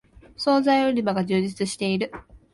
そうざい売り場が充実している